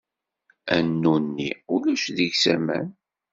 Anu-nni ulac deg-s aman.